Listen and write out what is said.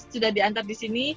sudah diantar di sini